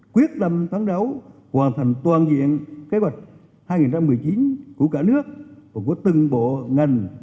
quyết tâm phán đấu hoàn thành toàn diện kế hoạch hai nghìn một mươi chín của cả nước và của từng bộ ngành